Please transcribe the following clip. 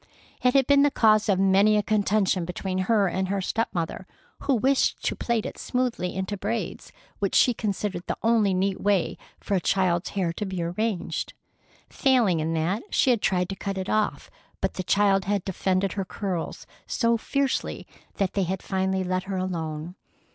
It had been the cause of many a contention between her and her step mother, who wished to plait it smoothly into braids, which she considered the only neat way for a child's hair to be arranged. Failing in that, she had tried to cut it off, but the child had defended her curls so fiercely that they had finally let her alone.